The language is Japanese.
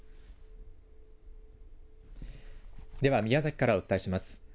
では宮崎からお伝えします。